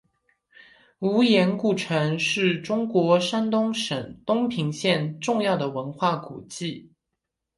无盐故城是中国山东省东平县重要的文化古迹。